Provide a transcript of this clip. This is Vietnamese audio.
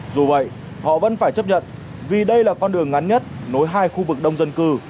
dù vậy họ vẫn phải chấp nhận vì đây là con đường ngắn nhất nối hai khu vực đông dân cư